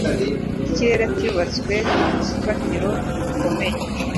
Ikirere cyubatswe ku rufatiro rukomeye.